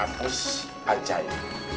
terus aja ya